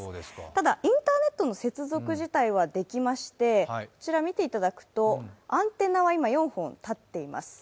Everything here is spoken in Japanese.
ただ、インターネットの接続自体はできまして、アンテナは今４本立っています。